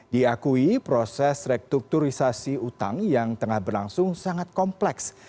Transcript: diakui proses rekrukturisasi utang yang tengah berlangsung sangat kompleks